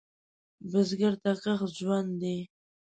بزګر ته کښت ژوند دی